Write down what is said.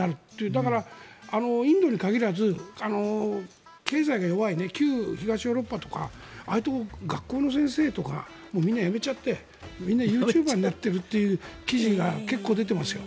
だから、インドに限らず経済が弱い旧東ヨーロッパとかああいうところ学校の先生とかみんな辞めちゃってみんなユーチューバーになっているという記事が結構出ていますよ。